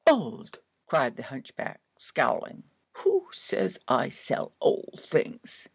"Old!" cried the hunchback, scowling; "who says I sell old things?